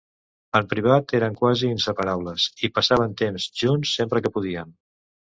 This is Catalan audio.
En privat, eren quasi "inseparables" i passaven temps junts sempre que podien.